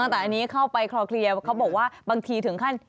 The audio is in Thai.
แต่อันนี้เข้าไปคลอเคลียร์เขาบอกว่าบางทีถึงขั้น